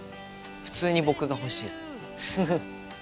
普通に僕が欲しいフフっ。